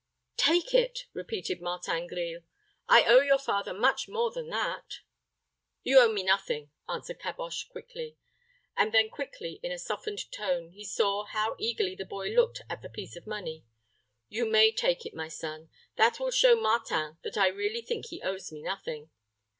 "Take it," repeated Martin Grille. "I owe your father much more than that." "You owe me nothing," answered Caboche, quickly; and then added in a softened tone, as he saw how eagerly the boy looked at the piece of money: "you may take it, my son. That will show Martin that I really think he owes me nothing.